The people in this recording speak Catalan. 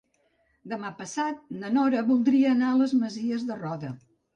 Demà passat na Nora voldria anar a les Masies de Roda.